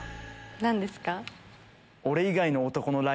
何ですか？